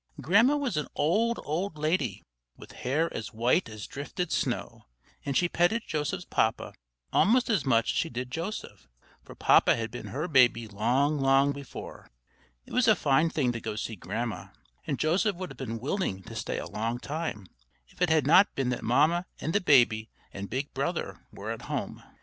Grandma was an old, old lady, with hair as white as drifted snow; and she petted Joseph's papa almost as much as she did Joseph, for Papa had been her baby long, long before. It was a fine thing to go to see Grandma; and Joseph would have been willing to stay a long time, if it had not been that Mamma and the baby and big brother were at home.